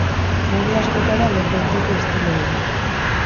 Modu askotara lor daiteke estilo hori.